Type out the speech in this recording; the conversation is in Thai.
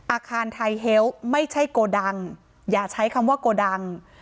อาคารไทยเฮลต์ไม่ใช่โกดังอย่าใช้คำว่าโกดัง